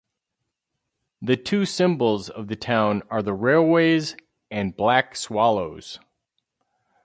The two symbols of the town are the railways, and black swallows.